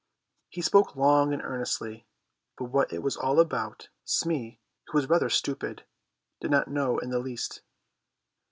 He spoke long and earnestly, but what it was all about Smee, who was rather stupid, did not know in the least.